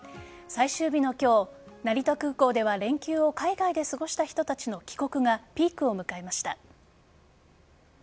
最終日の今日、成田空港では連休を海外で過ごした人たちの帰国がピークを迎えました。